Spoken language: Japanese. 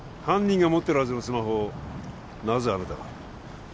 犯人が持ってるはずのスマホをなぜあなたが？